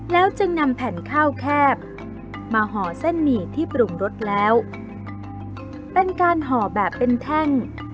แล้วจึงนำแผ่นข้าวแคบมาห่อเส้นหมี่ที่ปรุงรสแล้วเป็นการห่อแบบเป็นแท่ง